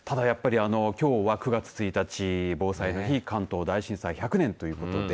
きょうは９月１日、防災の日関東大震災１００年ということです。